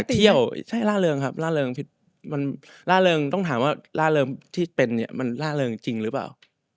เที่ยวใช่ล่าเริงครับล่าเริงมันล่าเริงต้องถามว่าล่าเริงที่เป็นเนี่ยมันล่าเริงจริงหรือเปล่า